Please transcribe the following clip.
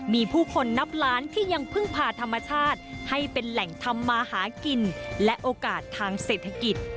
มีผู้คนนับล้านที่ยังพึ่งพาธรรมชาติให้เป็นแหล่งทำมาหากินและโอกาสทางเศรษฐกิจ